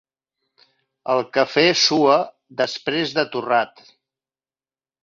El cafè sua, després de torrat.